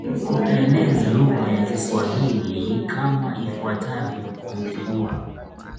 kueneza lugha ya kiswahili kama ifuatavyo Kuteua